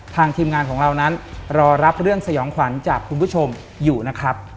ทีมงานของเรานั้นรอรับเรื่องสยองขวัญจากคุณผู้ชมอยู่นะครับ